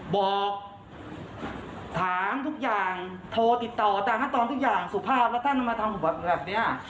บอกถามทุกอย่างโทรติดต่อตามขั้นตอนทุกอย่างสุภาพแล้วท่านมาทำผมแบบนี้